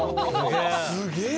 すげえ！